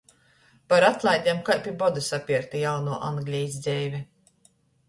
Par atlaidem kai pi boda sapierkta jaunuo Anglejis dzeive.